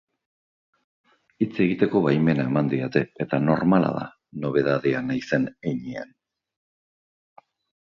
Hitz egiteko baimena eman didate eta normala da nobedadea naizen heinean.